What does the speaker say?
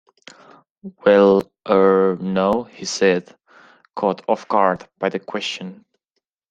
“Well, er, no,” he said, caught off-guard by the question.